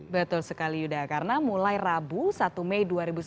betul sekali yuda karena mulai rabu satu mei dua ribu sembilan belas